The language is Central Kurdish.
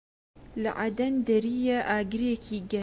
لە عەدەن دەریێ ئاگرێکی گەش